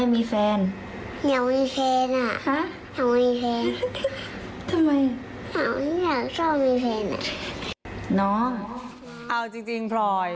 เอาจริงพลอย